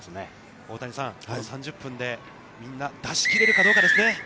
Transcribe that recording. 大谷さん、この３０分でみんな、出しきれるかどうかですね。